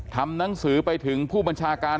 ทำหนังสือไปถึงผู้บัญชาการ